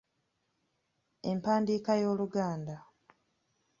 Empandiika y’Oluganda.